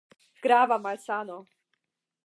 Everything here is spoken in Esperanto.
Grava malsano!